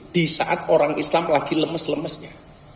di saat orang islam lagi lemes lemesnya